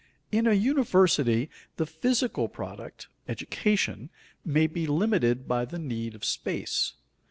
In a university the psychical product, education, may be limited by the need of space.